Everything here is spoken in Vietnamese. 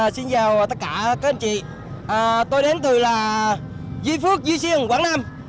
xin chào tất cả các anh chị tôi đến từ duy phước duy siêng quảng nam